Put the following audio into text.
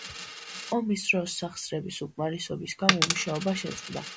ომის დროს, სახსრების უკმარისობის გამო, მუშაობა შეწყდა.